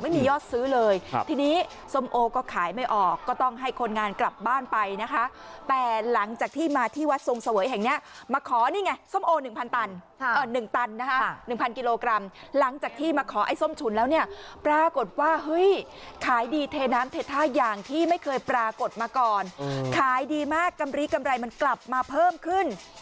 ไม่มียอดซื้อเลยทีนี้ส้มโอก็ขายไม่ออกก็ต้องให้คนงานกลับบ้านไปนะคะแต่หลังจากที่มาที่วัดทรงเสวยแห่งเนี้ยมาขอนี่ไงส้มโอ๑๐๐ตัน๑ตันนะคะ๑๐๐กิโลกรัมหลังจากที่มาขอไอ้ส้มฉุนแล้วเนี่ยปรากฏว่าเฮ้ยขายดีเทน้ำเทท่าอย่างที่ไม่เคยปรากฏมาก่อนขายดีมากกำลีกำไรมันกลับมาเพิ่มขึ้น